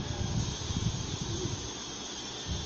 Yettru.